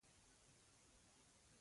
خلکو ته یې خبرې شروع کړې.